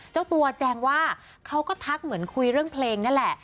เจ้าตัวแจงว่าเขาก็ทักเหมือนคุยเรื่องเพลงนั่นแหละ